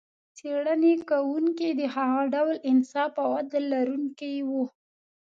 څېړنې کوونکي د هغه ډول انصاف او عدل لرونکي و.